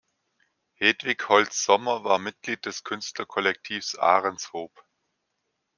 Hedwig Holtz-Sommer war Mitglied des Künstlerkollektivs Ahrenshoop.